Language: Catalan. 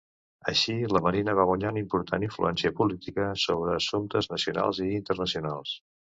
Així, la Marina va guanyar una important influència política sobre assumptes nacionals i internacionals.